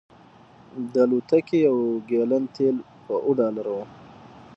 د الوتکې یو ګیلن تیل په اوه ډالره و